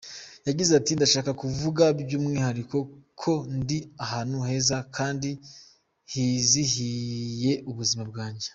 Yagize ati “Ndashaka kuvuga by’umwihariko ko ndi ahantu heza kandi hizihiye ubuzima bwanjye.